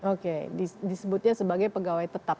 oke disebutnya sebagai pegawai tetap